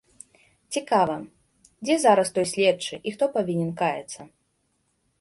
Цікава, дзе зараз той следчы, і хто павінен каяцца?